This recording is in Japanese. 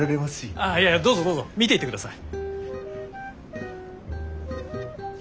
ああいやいやどうぞどうぞ見ていってください。